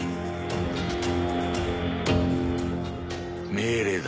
命令だ。